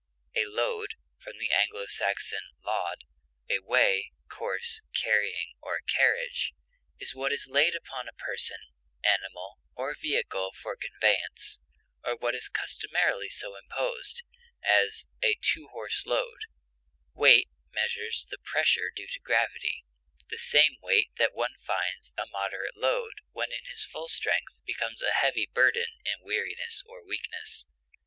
A load (from the Anglo Saxon l[=a]d, a way, course, carrying, or carriage) is what is laid upon a person, animal, or vehicle for conveyance, or what is customarily so imposed; as, a two horse load. Weight measures the pressure due to gravity; the same weight that one finds a moderate load when in his full strength becomes a heavy burden in weariness or weakness.